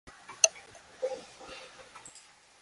Its ecoregion is that of Kathiawar-Gir dry deciduous forests.